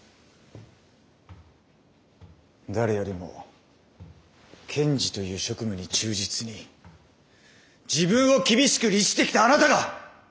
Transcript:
誰よりも検事という職務に忠実に自分を厳しく律してきたあなたが！